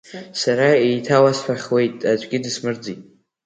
Сара еиҭауасҳәахуеит, аӡәгьы дысмырӡит.